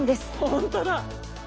本当だ。